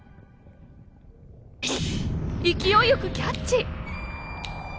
勢いよくキャッチ！